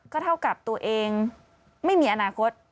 เท่ากับตัวเองไม่มีอนาคต